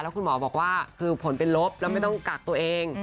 คุณหมอบอกว่าคือผลเป็นลบแล้วไม่ต้องกักตัวเอง